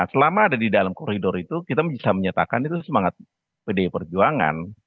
selama ada di dalam koridor itu kita bisa menyatakan itu semangat pdi perjuangan